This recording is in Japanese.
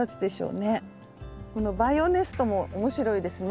このバイオネストも面白いですね。